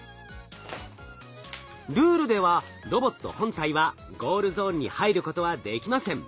ルールではロボット本体はゴールゾーンに入ることはできません。